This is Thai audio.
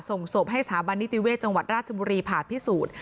ส่งศพให้สถาบันนิติเวศจังหวัดราชบุรีผ่าพิสูจน์